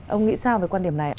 ông nghĩ sao về quan điểm này